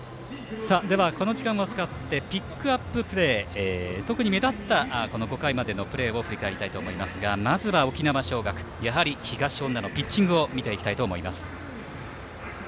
この時間を使ってピックアッププレー特に目立った５回までのプレーを振り返りたいと思いますがまずは沖縄尚学やはり東恩納のピッチングを見ていきたいと思います。